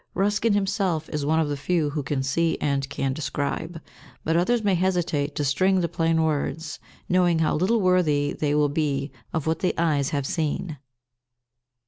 Ruskin himself is one of the few who can see and can describe, but others may hesitate to string the plain words, knowing how little worthy they will be of what the eyes have seen.